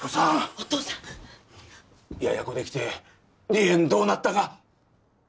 お父さんやや子できて離縁どうなったが？